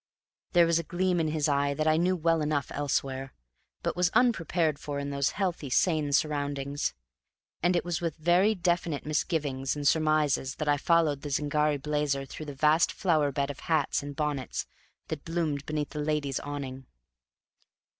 There was a gleam in his eye that I knew well enough elsewhere, but was unprepared for in those healthy, sane surroundings; and it was with very definite misgivings and surmises that I followed the Zingari blazer through the vast flower bed of hats and bonnets that bloomed beneath the ladies' awning.